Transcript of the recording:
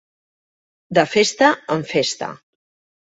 De Festa en Festa.